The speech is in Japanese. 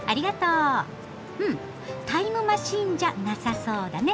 うんタイムマシーンじゃなさそうだね。